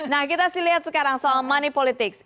nah kita sih lihat sekarang soal money politics